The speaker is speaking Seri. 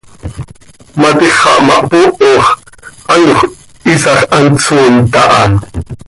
Matix xah ma hpooho x, anxö hiisax hant sooit aha.